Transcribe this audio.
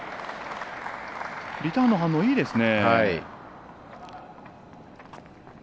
リターンの反応いいですね。